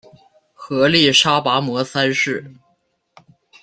曷利沙跋摩三世。